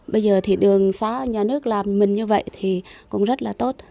bây giờ thì đường xá nhà nước làm mình như vậy thì cũng rất là tốt